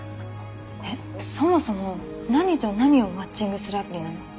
そもそも何と何をマッチングするアプリなの？